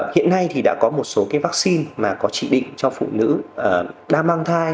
hiện nay thì đã có một số cái vaccine mà có chỉ định cho phụ nữ đang mang thai